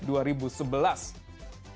dan selanjutnya siapa